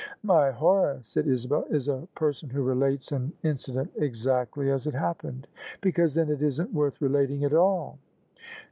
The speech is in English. " My horror," said Isabel, " is a person who relates an incident exactly as it happened: because then it isn't worth relating at all."